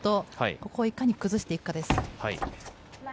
そこをいかに崩していくか。